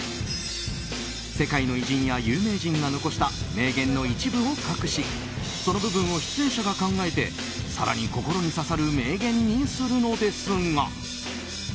世界の偉人や有名人が残した名言の一部を隠しその部分を出演者が考えて更に心に刺さる名言にするのですが。